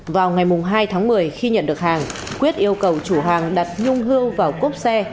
vào ngày hai tháng một mươi khi nhận được hàng quyết yêu cầu chủ hàng đặt nhung hương vào cốp xe